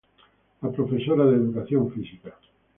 La profesora de educación física.